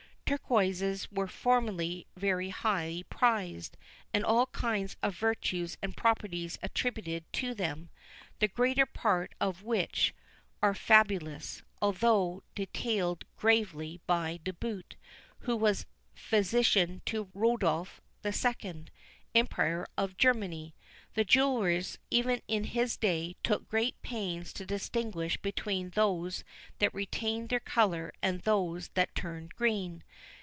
Turquoises were formerly very highly prized, and all kinds of virtues and properties attributed to them, the greater part of which are fabulous, although detailed gravely by de Boot, who was physician to Rodolph II., Emperor of Germany. The jewellers, even in his day, took great pains to distinguish between those that retained their colour and those that turned green.